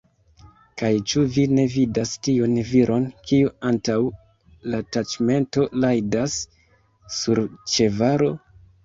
Kaj ĉu vi ne vidas tiun viron, kiu antaŭ la taĉmento rajdas sur ĉevalo?